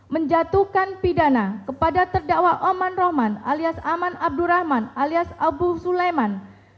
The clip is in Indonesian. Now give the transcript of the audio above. menjatuhkan pidana kepada terdakwa oman rohman alias aman abdurrahman alias abu suleman